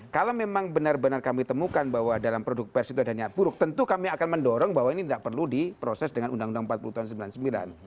kalau memang benar benar kami temukan bahwa dalam produk pers itu ada niat buruk tentu kami akan mendorong bahwa ini tidak perlu diproses dengan undang undang empat puluh tahun seribu sembilan ratus sembilan puluh sembilan